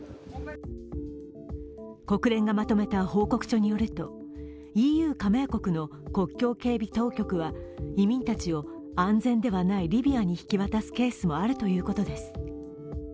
国連がまとめた報告書によるとＥＵ加盟国の国境警備当局は移民たちを安全ではないリビアに引き渡すケースもあるということです。